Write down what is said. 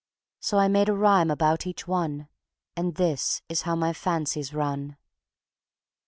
So I made a rhyme about each one, And this is how my fancies run.